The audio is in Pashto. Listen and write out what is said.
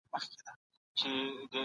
د محصن زاني سزا ډېره سخته ده.